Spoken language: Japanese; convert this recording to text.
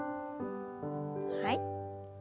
はい。